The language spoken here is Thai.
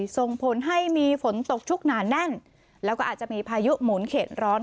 ส่งผลให้มีฝนตกชุกหนาแน่นแล้วก็อาจจะมีพายุหมุนเขตร้อน